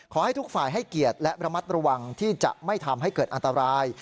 ขอให้ทุกฝ่ายให้เกียรติและระมัดระวังที่จะไม่ทำให้เกิดอันตราย